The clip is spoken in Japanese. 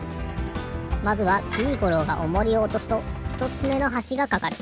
まずはビーゴローがオモリをおとすとひとつめのはしがかかる。